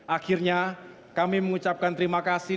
akhirnya kami mengucapkan terima kasih